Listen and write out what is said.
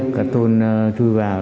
cả tôn chui vào